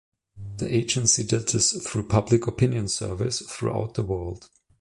The agency did this through public opinion surveys throughout the world.